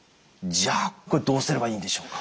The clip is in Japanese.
じゃあこれどうすればいいんでしょうか。